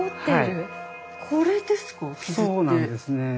そうなんですね。